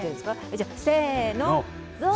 じゃあせの。